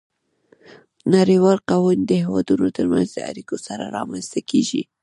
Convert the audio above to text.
نړیوال قوانین د هیوادونو ترمنځ د اړیکو سره رامنځته کیږي